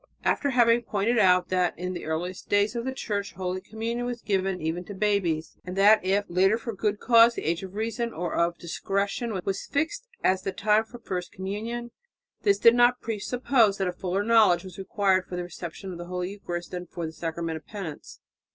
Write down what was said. After having pointed out that in the earliest days of the Church holy communion was given even to babies, and that if later for good cause the age of reason or of discretion was fixed as the time for first communion, this did not presuppose that a fuller knowledge was required for the reception of the holy Eucharist than for the sacrament of penance.